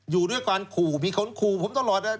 อยู่ด้วยการขู่มีคนขู่ผมตลอดนะ